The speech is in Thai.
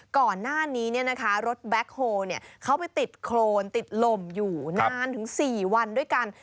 ก่อนหน้านี้รถแบ็คโฮลเขาไปติดโครนติดลมอยู่นานถึง๔วันด้วยกัน